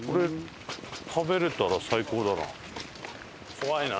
怖いな。